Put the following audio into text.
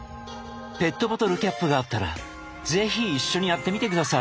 ペットボトルキャップがあったら是非一緒にやってみて下さい。